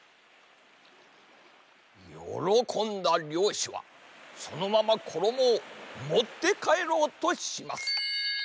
よろこんだりょうしはそのままころもをもってかえろうとします。